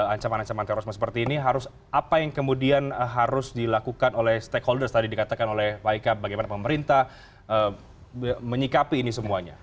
ancaman ancaman terorisme seperti ini harus apa yang kemudian harus dilakukan oleh stakeholders tadi dikatakan oleh pak ika bagaimana pemerintah menyikapi ini semuanya